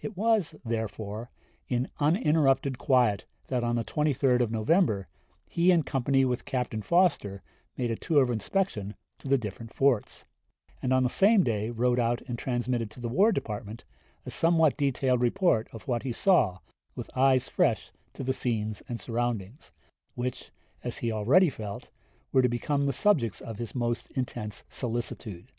It was, therefore, in uninterrupted quiet that on the 23d of November he in company with Captain Foster made a tour of inspection to the different forts, and on the same day wrote out and transmitted to the War Department a somewhat detailed report of what he saw with eyes fresh to the scenes and surroundings, which, as he already felt, were to become the subjects of his most intense solicitude.